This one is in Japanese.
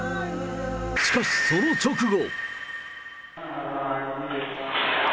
しかしその直後。